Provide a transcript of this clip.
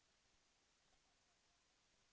แสวได้ไงของเราก็เชียนนักอยู่ค่ะเป็นผู้ร่วมงานที่ดีมาก